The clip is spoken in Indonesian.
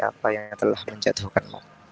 apa yang telah menjatuhkanmu